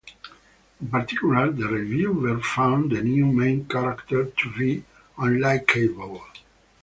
In particular, the reviewer found the new main character to be unlikeable.